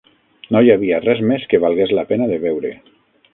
No hi havia res més que valgués la pena de veure.